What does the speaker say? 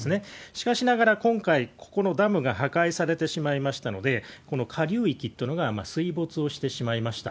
しかしながら、今回、ここのダムが破壊されてしまいましたので、この下流域っていうのが水没をしてしまいました。